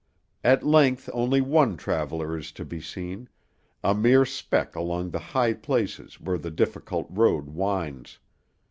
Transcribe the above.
At length only one traveller is to be seen, a mere speck along the high place where the difficult road winds.